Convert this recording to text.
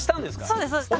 そうですそうです。